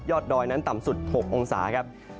ดอยนั้นต่ำสุด๖องศาครับ